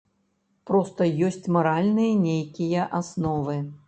Проста ёсць маральныя нейкія асновы.